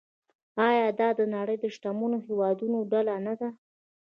آیا دا د نړۍ د شتمنو هیوادونو ډله نه ده؟